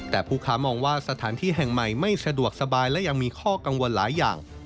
แต่ผู้ค้ามองว่าสถานที่แห่งใหม่ไม่สะดวกสบายและยังมีข้อกังวลหลายอย่าง